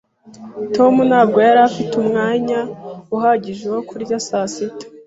Tom ntabwo yari afite umwanya uhagije wo kurya saa sita.